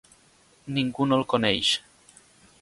Ningú no el coneix.